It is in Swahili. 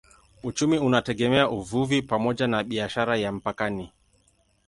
Uchumi unategemea uvuvi pamoja na biashara ya mpakani.